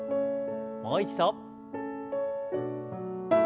もう一度。